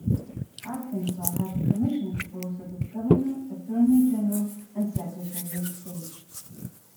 Arkansas has a commission composed of its governor, attorney general, and secretary of state.